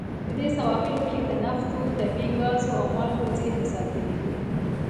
د دې سواحلو کې د نفتو، طبیعي ګازو او مالګو زیرمې ساتلې دي.